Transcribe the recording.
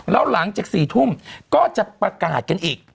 แล้วหลังจาก๔ทุ่มก็จะประกาศกันอีก